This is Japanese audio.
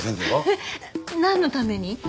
えっなんのために？